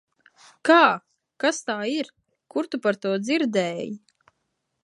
Kā? Kas tā ir? Kur tu par to dzirdēji?